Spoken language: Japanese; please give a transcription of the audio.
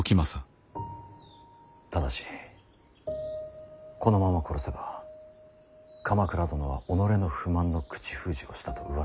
ただしこのまま殺せば鎌倉殿は己の不満の口封じをしたとうわさが立ちます。